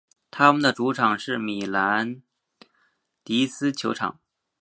他们的主场是米兰迪斯球场。